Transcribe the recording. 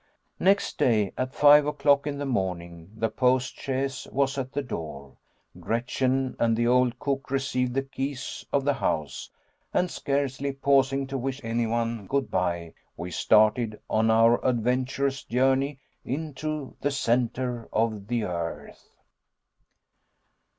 Next day, at five o'clock in the morning, the post chaise was at the door. Gretchen and the old cook received the keys of the house; and, scarcely pausing to wish anyone good by, we started on our adventurous journey into the centre of the earth.